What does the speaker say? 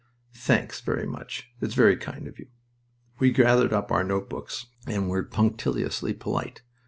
"Thanks very much... It's very kind of you." We gathered up our note books and were punctiliously polite.